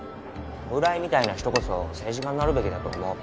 村井みたいな人こそ政治家になるべきだと思う